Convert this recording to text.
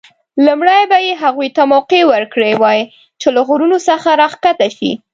لومړی به یې هغوی ته موقع ورکړې وای چې له غرونو څخه راښکته شي.